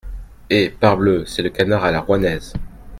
Eh ! parbleu, c’est le canard à la Rouennaise !